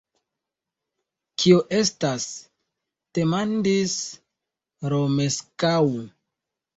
Kio estas? demandis Romeskaŭ.